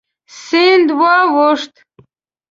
سیند واوښت.